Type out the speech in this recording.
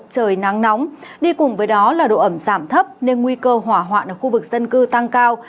trời nắng nóng đi cùng với đó là độ ẩm giảm thấp nên nguy cơ hỏa hoạn ở khu vực dân cư tăng cao